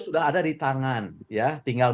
sudah ada di tangan ya tinggal